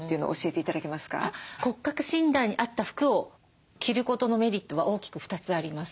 骨格診断に合った服を着ることのメリットは大きく２つあります。